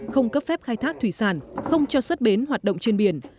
không cấp phép khai thác thủy sản không cho xuất bến hoạt động trên biển